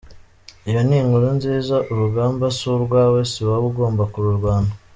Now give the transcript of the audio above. Iyo ni inkuru nziza! Urugamba si urwawe, si wowe ugomba kururwana.